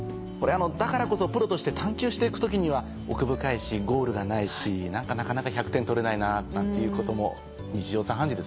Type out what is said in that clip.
だからこそプロとして探究して行く時には奥深いしゴールがないしなかなか１００点取れないななんていうことも日常茶飯事ですよね。